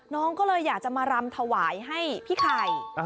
น้องก็เลยอยากจะมารำถวายให้พี่ไข่